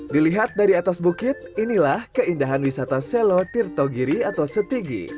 dilihat dari atas bukit inilah keindahan wisata selo tirtogiri atau setigi